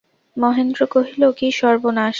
মহেন্দ্র কহিল, কী সর্বনাশ।